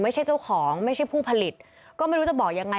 เจ้าของไม่ใช่ผู้ผลิตก็ไม่รู้จะบอกยังไง